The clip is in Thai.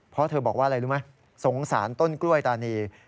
เพราะเธอบอกว่าอะไรรู้ไหมสงสารต้นกล้วยตานี